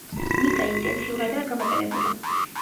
მიწა ინტენსიურადაა გამოყენებული.